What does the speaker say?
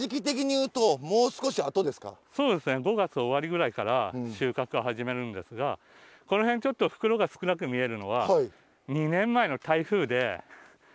そうですね５月終わりぐらいから収穫始めるんですがこの辺ちょっと袋が少なく見えるのは２年前の台風で被害を受けてしまって。